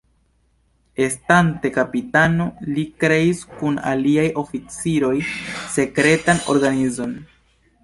Estante kapitano, li kreis kun aliaj oficiroj sekretan organizon.